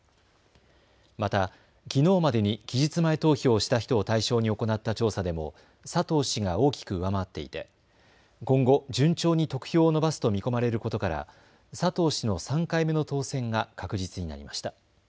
またきのうまでに期日前投票をした人を対象に行った調査でも佐藤氏が大きく上回っていて今後、順調に得票を伸ばすと見込まれることから佐藤氏の３回目の当選が確実になりました。